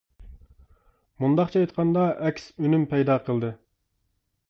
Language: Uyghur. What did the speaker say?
مۇنداقچە ئېيتقاندا، ئەكس ئۈنۈم پەيدا قىلدى.